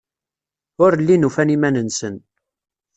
Ur llin ufan iman-nsen.